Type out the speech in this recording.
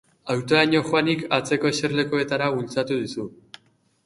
Autoraino joanik, atzeko eserlekuetara bultzatu duzu.